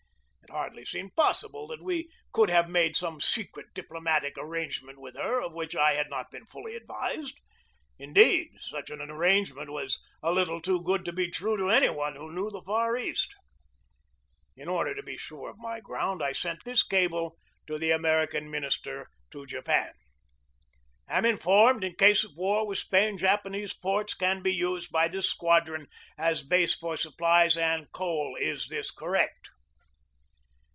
It hardly seemed possible that we could have made some secret diplomatic arrange ment with her of which I had not been fully advised. Indeed, such an arrangement was a little too good to be true to any one who knew the Far East. In order to be sure of my ground, I sent this cable to the American minister to Japan: "Am informed, in case of war with Spain, Japanese ports can be used by this squadron as base for supplies and coal. Is this correct?"